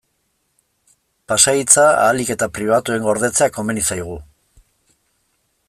Pasahitza ahalik eta pribatuen gordetzea komeni zaigu.